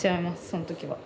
その時は。